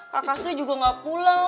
kakak saya juga gak pulang